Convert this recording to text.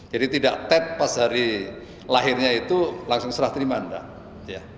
jadi tidak tet pas hari lahirnya itu langsung serah terima enggak